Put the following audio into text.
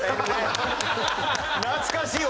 懐かしい！